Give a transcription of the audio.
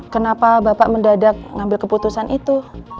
kenapa bapak mendadak ngambil keputusan itu